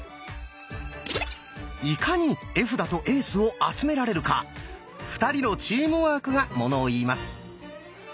いかに絵札とエースを集められるか２人のチームワークがものをいいます。